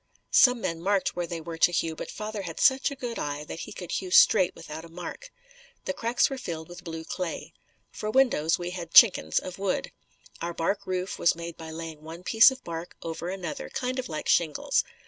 Some men marked where they were to hew but father had such a good eye that he could hew straight without a mark. The cracks were filled with blue clay. For windows, we had "chinkins" of wood. Our bark roof was made by laying one piece of bark over another, kind of like shingles.